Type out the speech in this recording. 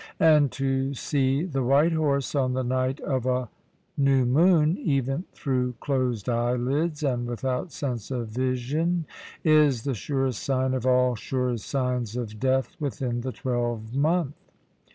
And to see the white horse on the night of new moon, even through closed eyelids, and without sense of vision, is the surest sign of all sure signs of death within the twelvemonth.